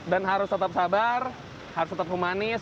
dan harus tetap sabar harus tetap humanis